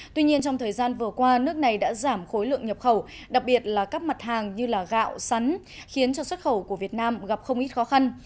tuy nhiên trong thời gian vừa qua nước này đã giảm khối lượng nhập khẩu đặc biệt là các mặt hàng như gạo sắn khiến cho xuất khẩu của việt nam gặp không ít khó khăn